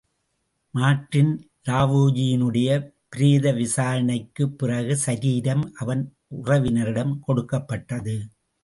Martin லாவேஜினுடைய பிரேத விசாரணைக்குப் பிறகு சரீரம் அவன் உறவினரிடம் கொடுக்கப்பட்டது.